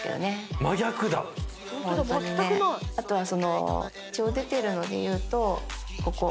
あとは一応出てるので言うとここ。